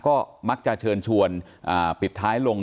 ก็มักจะเชิญชวนปิดท้ายลง